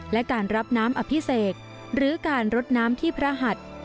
และการรับน้ำอภิเษกหรือการรดน้ำที่พระหัด